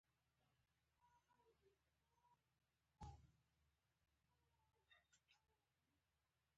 ازادي راډیو د بانکي نظام په اړه د امنیتي اندېښنو یادونه کړې.